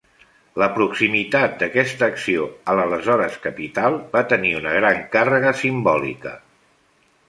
La proximitat d'aquesta acció a l'aleshores capital va tenir una gran càrrega simbòlica.